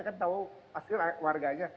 kan tahu pasti warganya